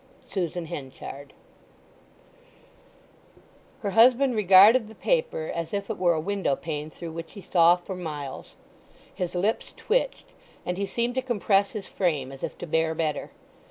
SUSAN HENCHARD Her husband regarded the paper as if it were a window pane through which he saw for miles. His lips twitched, and he seemed to compress his frame, as if to bear better.